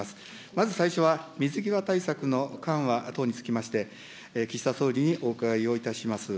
まず最初は、水際対策の緩和等につきまして、岸田総理にお伺いをいたします。